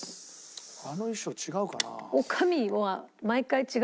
あの衣装違うかな。